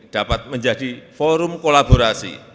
dapat menjadi forum kolaborasi